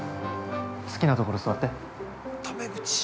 好きなところ座って。